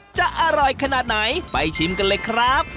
จะอร่อยขนาดไหนไปชิมกันเลยครับ